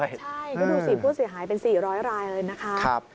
ใช่ก็ดูสิผู้เสียหายเป็น๔๐๐รายเลยนะคะ